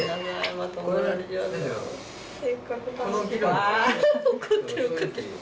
ああ怒ってる怒ってる。